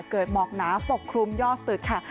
หมอกหนาปกคลุมยอดตึกค่ะ